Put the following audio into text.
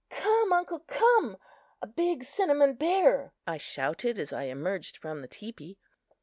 "Come, uncle, come! A big cinnamon bear!" I shouted as I emerged from the teepee.